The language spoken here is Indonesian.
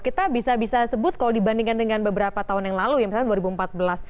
kita bisa bisa sebut kalau dibandingkan dengan beberapa tahun yang lalu ya misalnya dua ribu empat belas